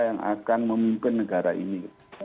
yang akan memimpin negara ini